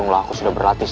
anak ku irene